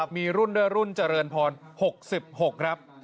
มีรุ่นด้วยรุ่นเจริญพร๖๖ครับ